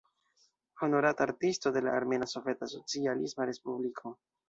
Honorata Artisto de la Armena Soveta Socialisma Respubliko.